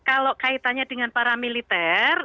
nah kalau kaitannya dengan paramiliter